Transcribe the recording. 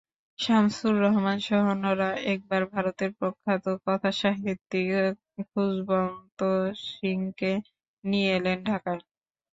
শামসুর রাহমানসহ অন্যরা একবার ভারতের প্রখ্যাত কথাসাহিত্যিক খুসবন্ত সিংকে নিয়ে এলেন ঢাকায়।